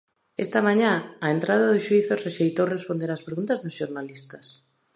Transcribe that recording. Esta mañá, á entrada do xuízo rexeitou responder ás preguntas do xornalistas.